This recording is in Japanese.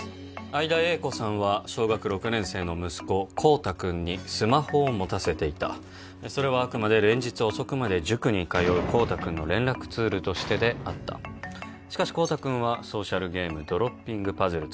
相田瑛子さんは小学６年生の息子孝多君にスマホを持たせていたそれはあくまで連日遅くまで塾に通う孝多君の連絡ツールとしてであったしかし孝多君はソーシャルゲーム「ドロッピング・パズル」